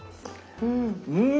うん。